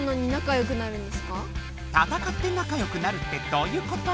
戦って仲よくなるってどういうこと？